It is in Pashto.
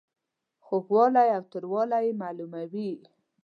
خوږوالی او تریووالی یې معلوموي.